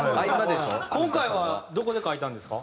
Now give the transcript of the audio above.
今回はどこで書いたんですか？